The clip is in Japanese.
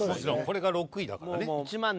これが６位だからね。